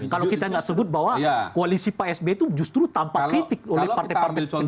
kalau kita tidak sebut bahwa koalisi psbi itu justru tampak kritik oleh partai partai pendukung